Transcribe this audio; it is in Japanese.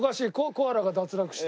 コアラが脱落した。